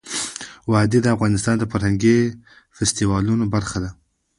وادي د افغانستان د فرهنګي فستیوالونو برخه ده.